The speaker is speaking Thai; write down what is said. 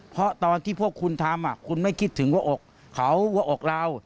เพราะตอนที่พวกคุณทำคุณไม่คิดถึงหัวอกเขาหัวอกเรา